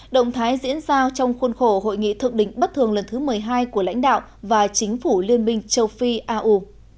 động thái diễn ra trong khuôn khổ hội nghị thượng đỉnh bất thường lần thứ một mươi hai của lãnh đạo và chính phủ liên minh châu phi au